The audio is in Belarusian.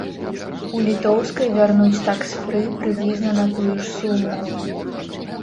У літоўскай вярнуць таксфры прыблізна на тую ж суму.